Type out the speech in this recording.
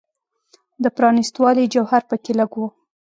د پرانیستوالي جوهر په کې لږ و.